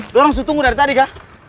lo orang sudah tunggu dari tadi kak